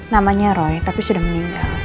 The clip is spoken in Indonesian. namanya roy tapi sudah meninggal